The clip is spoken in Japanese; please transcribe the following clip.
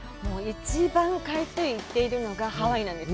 一番回数行ってるのがハワイなんです。